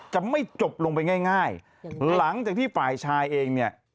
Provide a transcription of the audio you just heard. จะไม่จบลงไปง่ายหลังจากที่ฝ่ายชายเองเนี่ย